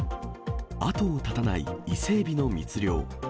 後を絶たない伊勢エビの密漁。